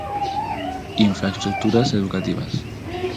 Infraestruturas educativas.